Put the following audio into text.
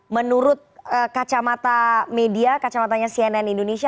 menurut kacamata media kacamatanya cnn indonesia